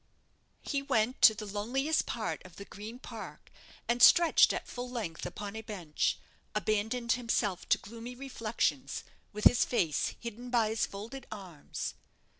He went to the loneliest part of the Green Park, and, stretched at full length upon a bench, abandoned himself to gloomy reflections, with his face hidden by his folded arms.